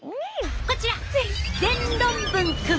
こちら全論文くん！